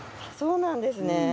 そうなんですね。